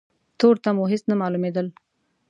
تورتم و هيڅ نه مالومېدل.